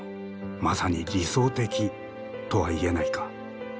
まさに理想的とは言えないか。